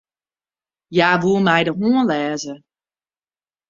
Hja woe my de hân lêze.